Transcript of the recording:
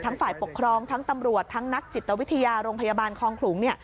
ฝ่ายปกครองทั้งตำรวจทั้งนักจิตวิทยาโรงพยาบาลคลองขลุง